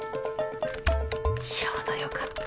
ちょうどよかった。